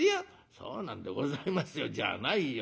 「そうなんでございますよじゃないよ。